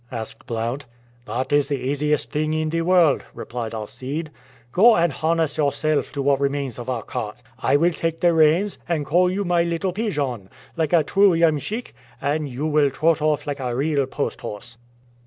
asked Blount. "That is the easiest thing in the world," replied Alcide. "Go and harness yourself to what remains of our cart; I will take the reins, and call you my little pigeon, like a true iemschik, and you will trot off like a real post horse."